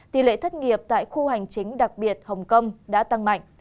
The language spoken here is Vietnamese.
tỷ lệ thất nghiệp tại khu hành chính đặc biệt hồng kông đã tăng mạnh